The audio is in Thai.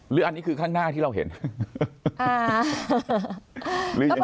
หรืออันนี้คือข้างหน้าที่เราเห็นอ่าหรือยังไง